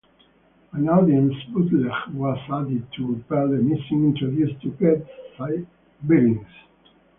An audience bootleg was added to repair the missing introduction to "Get Thy Bearings".